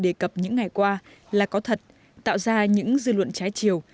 đề cập những ngày qua là có thật tạo ra những dư luận trái chiều